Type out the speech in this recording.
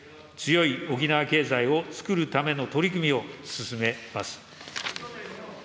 強い沖縄経済をつくるための取り組みを進めます。